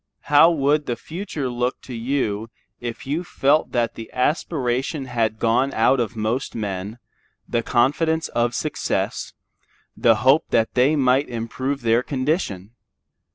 How would the future look to you if you felt that the aspiration had gone out of most men, the confidence of success, the hope that they might improve their condition?